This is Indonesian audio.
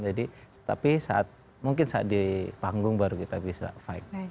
jadi tapi saat mungkin saat di panggung baru kita bisa fight